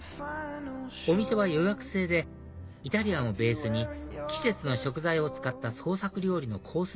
お店は予約制でイタリアンをベースに季節の食材を使った創作料理のコース